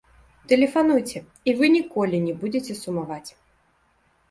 Тэлефануйце, і вы ніколі не будзеце сумаваць!